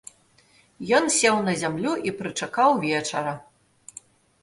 Ён сеў на зямлю і прычакаў вечара.